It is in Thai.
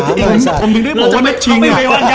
ผมยังไม่ได้บอกว่ามันชิงอ่ะ